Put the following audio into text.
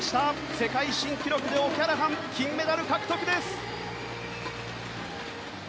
世界新記録でオキャラハン金メダル獲得です！